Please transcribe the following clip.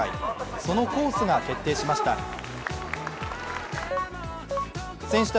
そのコースが決定しました。